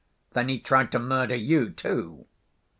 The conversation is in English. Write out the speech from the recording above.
then he tried to murder you, too?"